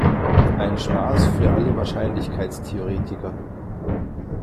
Ein Spaß für alle Wahrscheinlichkeitstheoretiker.